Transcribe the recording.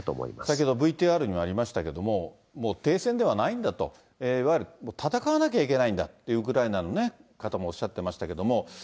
先ほどＶＴＲにもありましたけれども、もう停戦ではないんだと、いわゆる戦わなきゃいけないんだという、ウクライナの方もおっしゃってましたけども。